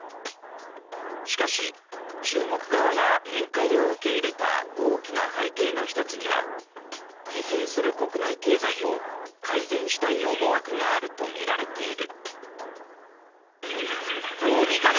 しかし、中国側が面会を受け入れた大きな背景の１つには疲弊する国内経済を改善したい思惑があるとみられている。